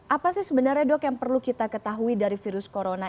apa sih sebenarnya dok yang perlu kita ketahui dari virus corona